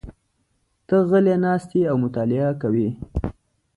ته غلی ناست یې او مطالعه کوې.